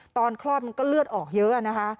คลอดมันก็เลือดออกเยอะนะคะ